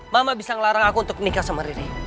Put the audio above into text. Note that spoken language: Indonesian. mama bisa ngelarang aku untuk nikah sama riri